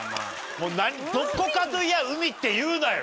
もうどこかと言えば海って言うなよ！